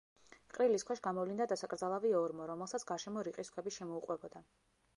ყრილის ქვეშ გამოვლინდა დასაკრძალავი ორმო, რომელსაც გარშემო რიყის ქვები შემოუყვებოდა.